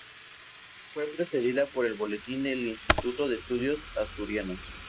Fue precedida por el "Boletín del Instituto de Estudios Asturianos.